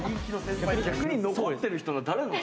逆に残ってる人、誰のなの？